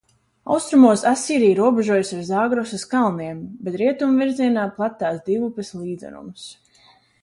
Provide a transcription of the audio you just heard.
Austrumos Asīrija robežojās ar Zāgrosas kalniem, bet rietumu virzienā pletās Divupes līdzenums.